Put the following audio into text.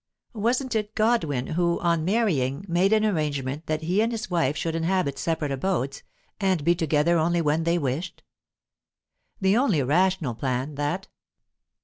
Wasn't it Godwin who, on marrying, made an arrangement that he and his wife should inhabit separate abodes, and be together only when they wished? The only rational plan, that.